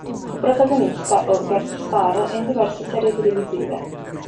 Fu protagonista o "guest star" in diverse serie televisive.